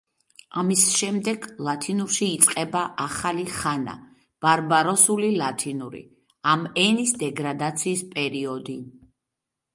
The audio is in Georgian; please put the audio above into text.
ამის შემდეგ ლათინურში იწყება ახალი ხანა „ბარბაროსული ლათინური“, ამ ენის დეგრადაციის პერიოდი.